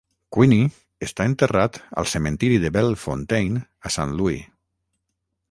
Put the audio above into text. Queeny està enterrat al cementiri de Bellefontaine a Saint Louis.